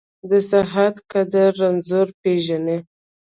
د صحت قدر رنځور پېژني .